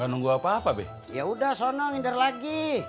tunggu apaan yaudah son nog en anchot lagi